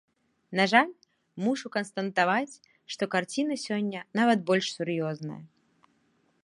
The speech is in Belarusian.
На жаль, мушу канстатаваць, што карціна сёння нават больш сур'ёзная.